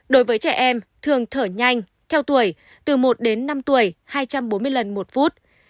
đối với trẻ em thường thở nhanh theo tuổi từ một đến năm tuổi hai trăm bốn mươi lần một phút